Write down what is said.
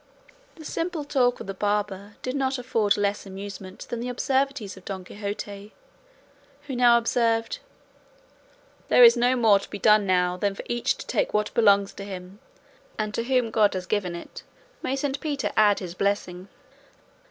The simple talk of the barber did not afford less amusement than the absurdities of Don Quixote, who now observed: "There is no more to be done now than for each to take what belongs to him, and to whom God has given it, may St. Peter add his blessing."